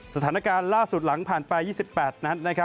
สถานการณ์ล่าสุดหลังผ่านไป๒๘นัด